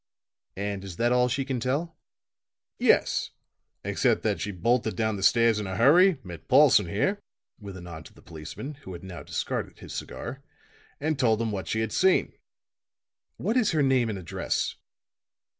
"And is that all she can tell?" "Yes; except that she bolted down the stairs in a hurry, met Paulson here," with a nod to the policeman, who had now discarded his cigar, "and told him what she had seen." "What is her name and address?"